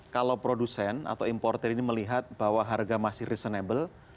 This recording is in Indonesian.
kalau produsen atau importer ini melihat bahwa harga masih reasonable